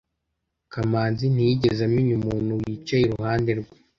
kamanzi ntiyigeze amenya umuntu wicaye iruhande rwe